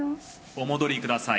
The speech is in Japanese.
お戻りください。